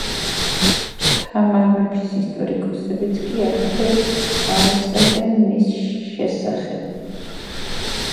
ჭელიაღელე ამავე დასახელების თემის ცენტრია.